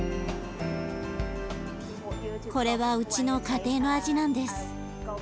これはうちの家庭の味なんです。